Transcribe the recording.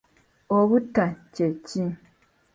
Obutta kye ki?